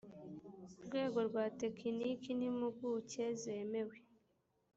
rwego rwa tekiniki n impuguke zemewe